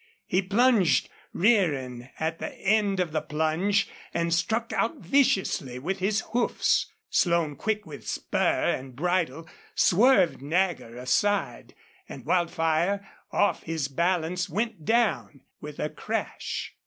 He plunged, rearing at the end of the plunge, and struck out viciously with his hoofs. Slone, quick with spur and bridle, swerved Nagger aside and Wildfire, off his balance, went down with a crash.